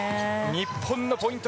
日本のポイント